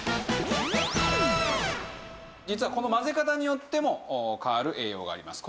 実はこの混ぜ方によっても変わる栄養があります。